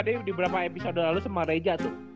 dia di beberapa episode lalu sama reja tuh